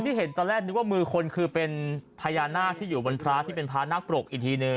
เห็นตอนแรกนึกว่ามือคนคือเป็นพญานาคที่อยู่บนพระที่เป็นพระนักปรกอีกทีนึง